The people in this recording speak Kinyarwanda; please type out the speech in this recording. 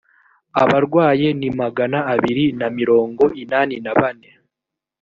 abarwaye ni magana abiri na mirongo inani na bane .